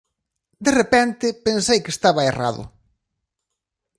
De repente pensei que estaba errado.